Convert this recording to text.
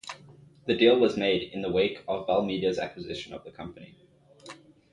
The deal was made in the wake of Bell Media's acquisition of the company.